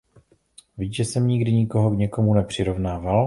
Viď, že jsem nikdy nikoho k někomu nepřirovnával?